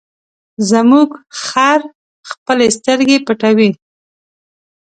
زموږ خر خپلې سترګې پټوي.